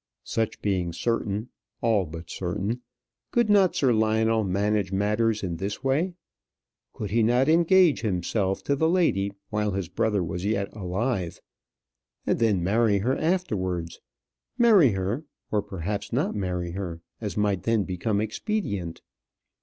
Such being certain all but certain could not Sir Lionel manage matters in this way? Could he not engage himself to the lady while his brother was yet alive, and then marry her afterwards marry her, or perhaps not marry her, as might then become expedient?